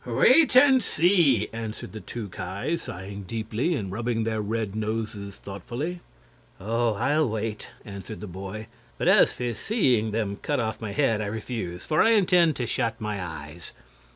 "Wait and see," answered the two Ki, sighing deeply and rubbing their red noses thoughtfully. "Oh, I'll wait," answered the boy; "but as for seeing them cut off my head, I refuse; for I intend to shut my eyes."